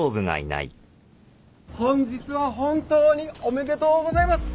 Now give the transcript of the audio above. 本日は本当におめでとうございます。